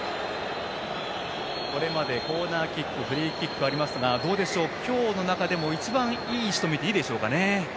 これまでコーナーキックフリーキックはありますがどうでしょう、今日の中でも一番いい位置と見ていいでしょうかね。